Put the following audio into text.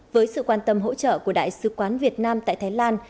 với sự quan tâm hỗ trợ của đại sứ quán việt nam tại thái lan